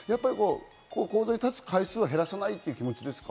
高座に立つ回数は減らさないっていう気持ちですか？